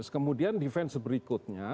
kemudian defense berikutnya